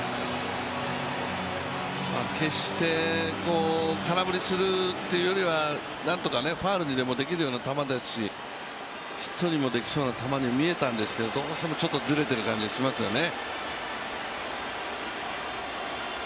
決して、空振りするっていうよりは何とかファウルにもできるような球ですしヒットにもできそうな球に見えたんですけど、どうしてもちょっとずれている感じがしますよね。